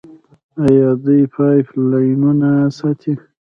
آیا دوی پایپ لاینونه نه ساتي؟